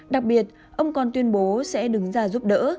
đặc biệt ông còn tuyên bố sẽ đứng ra giúp đỡ